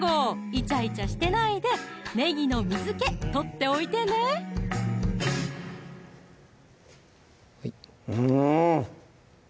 いちゃいちゃしてないでねぎの水気取っておいてねはいうん！